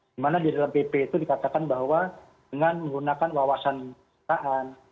dimana di dalam pp itu dikatakan bahwa dengan menggunakan wawasantaan